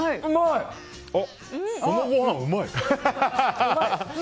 このご飯うまい！